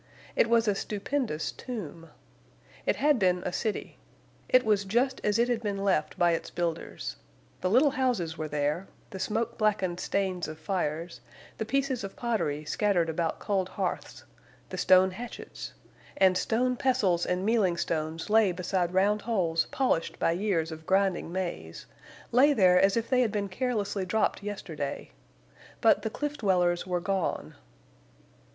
It was a stupendous tomb. It had been a city. It was just as it had been left by its builders. The little houses were there, the smoke blackened stains of fires, the pieces of pottery scattered about cold hearths, the stone hatchets; and stone pestles and mealing stones lay beside round holes polished by years of grinding maize—lay there as if they had been carelessly dropped yesterday. But the cliff dwellers were gone!